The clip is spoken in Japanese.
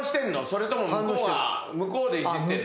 それとも向こうでいじってんの？